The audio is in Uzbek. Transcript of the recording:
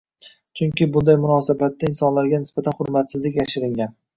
Chunki bunday munosabatda insonlarga nisbatan hurmatsizlik yashiringan.